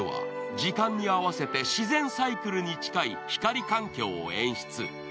こちらでは時間に合わせて自然環境に近い光環境を演出。